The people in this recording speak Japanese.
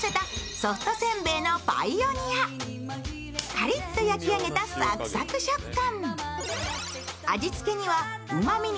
カリッと焼き上げたサクサク食感。